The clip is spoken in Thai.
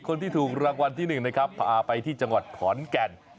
คนที่ถูกรางวัลที่๑นะครับพาไปที่จังหวัดขอนแก่น